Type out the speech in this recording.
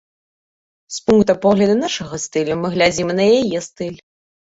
З пункта погляду нашага стылю мы глядзім і на яе стыль.